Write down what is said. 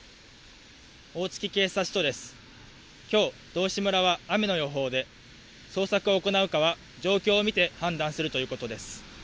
きょう、道志村は雨の予報で、捜索を行うかは状況を見て判断するということです。